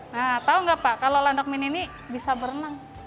nah tahu nggak pak kalau landak mini ini bisa berenang